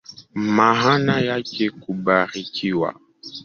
Maana yake kubarikiwa.